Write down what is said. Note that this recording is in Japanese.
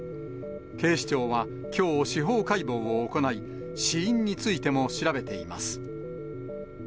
警視庁は、きょう司法解剖を行い、死因についても調べています。